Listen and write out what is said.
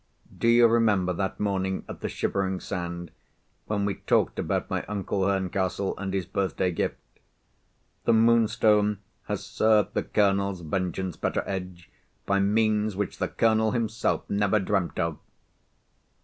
Do you remember that morning at the Shivering Sand, when we talked about my uncle Herncastle, and his birthday gift? The Moonstone has served the Colonel's vengeance, Betteredge, by means which the Colonel himself never dreamt of!"